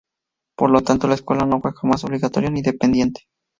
Por lo tanto la escuela no fue jamás obligatoria ni dependiente.